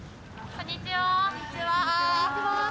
こんにちは。